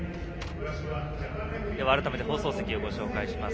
改めて放送席をご紹介します。